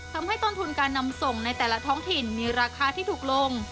ต้นทุนการนำส่งในแต่ละท้องถิ่นมีราคาที่ถูกลง